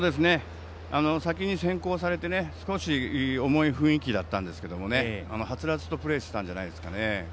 先に先行されて少し重い雰囲気だったんですけどはつらつとプレーしてたんじゃないですかね。